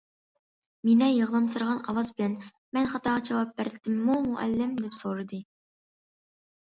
مىنە يىغلامسىرىغان ئاۋاز بىلەن:- مەن خاتا جاۋاب بەردىممۇ، مۇئەللىم؟- دەپ سورىدى.